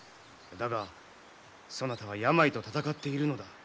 だがそなたは病と闘っているのだ。